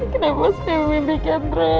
kenapa saya memimpin kemere